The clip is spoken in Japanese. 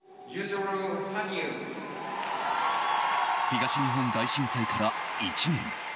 東日本大震災から１年。